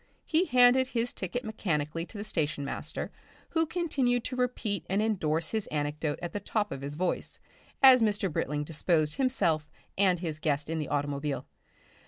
He handed his ticket mechanically to the station master, who continued to repeat and endorse his anecdote at the top of his voice as Mr. Britling disposed himself and his guest in the automobile.